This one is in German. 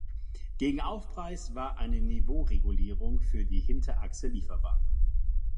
Gegen Aufpreis war eine Niveauregulierung für die Hinterachse lieferbar.